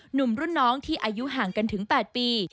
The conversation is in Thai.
หนุ่มรุ่นน้องที่อายุห่างกันถึง๘ปี